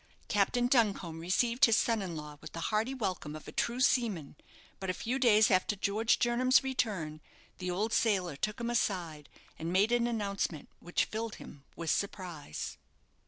Captain Duncombe received his son in law with the hearty welcome of a true seaman; but a few days after George Jernam's return, the old sailor took him aside, and made an announcement which filled him with surprise.